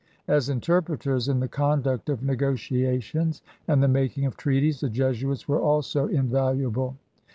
As interpreters in the conduct of negotiations and the making of treaties the Jesuits were also in valuable.